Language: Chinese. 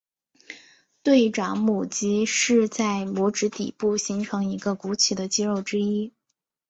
对掌拇肌是在拇指底部形成一个鼓起的肌肉之一。